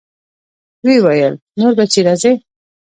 ويې ويل نور به چې راځې.